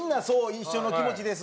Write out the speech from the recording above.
一緒の気持ちです。